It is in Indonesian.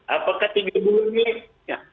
apakah tiga bulannya ya tiga bulannya